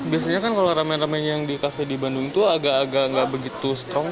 biasanya kan kalau ramen rame yang di cafe di bandung itu agak agak nggak begitu strong